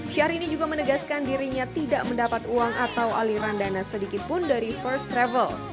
syahrini juga menegaskan dirinya tidak mendapat uang atau aliran dana sedikitpun dari first travel